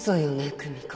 久美子。